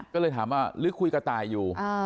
ก็เลยถามว่าหรือคุยกับตายอยู่